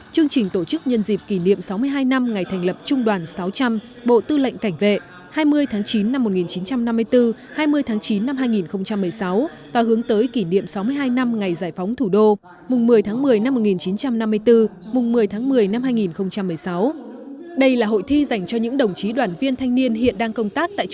chương trình tổ chức nhân dịp kỷ niệm sáu mươi hai năm ngày thành lập trung đoàn hà nội